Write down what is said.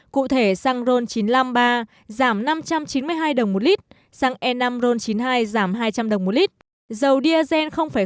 cụ thể xăng ron chín mươi năm ba giảm năm trăm chín mươi hai đồng một lít xăng e năm ron chín mươi hai giảm hai trăm linh đồng